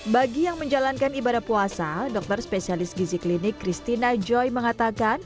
bagi yang menjalankan ibadah puasa dokter spesialis gizi klinik christina joy mengatakan